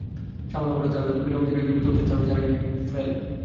সামান্য অপরাধে তাহাদিগকে বিনা বিচারে জীবিত অবস্থায় চামড়া ছাড়াইয়া মারিয়া ফেলে।